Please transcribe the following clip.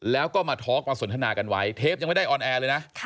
แล้วก็มาทอล์กมาสนทนากันไว้เทปยังไม่ได้ออนแอร์เลยนะ